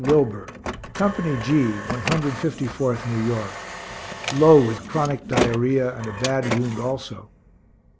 Wilber, Company G, One Hundred Fifty fourth New York, low with chronic diarrhoea and a bad wound also.